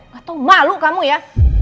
gak tau malu kamu ya